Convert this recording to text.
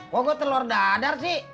kok gue telur dadar sih